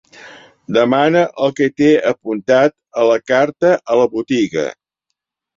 Demana el que t'he apuntat a la carta a la botiga.